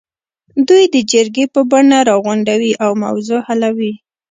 دوی د جرګې په بڼه راغونډوي او موضوع حلوي.